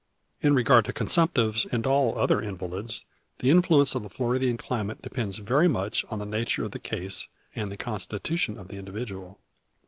In regard to consumptives and all other invalids, the influence of a Floridian climate depends very much on the nature of the case and the constitution of the individual.